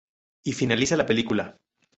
Y finaliza la película.